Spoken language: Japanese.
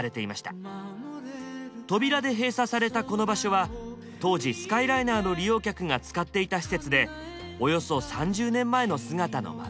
扉で閉鎖されたこの場所は当時スカイライナーの利用客が使っていた施設でおよそ３０年前の姿のまま。